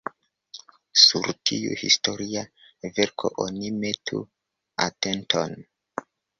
Sur tiu historia verko oni metu atenton.